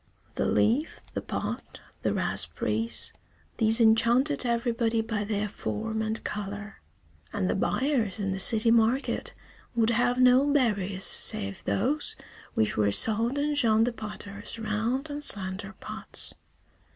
The leaf, the pot, the raspberries, these enchanted everybody by their form and color; and the buyers in the city market would have no berries save those which were sold in Jean the potter's round and slender pots.